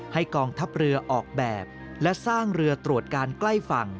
กองทัพเรือออกแบบและสร้างเรือตรวจการใกล้ฝั่ง